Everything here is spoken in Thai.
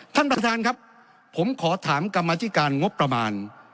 ท่านประธานครับผมขอถามกรรมธิการงบประมาณ